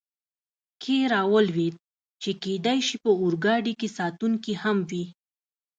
کې را ولوېد، چې کېدای شي په اورګاډي کې ساتونکي هم وي.